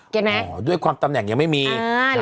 ไหนอ๋อด้วยความตำแหน่งยังไม่มีอ่า